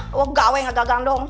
saya tidak keberatan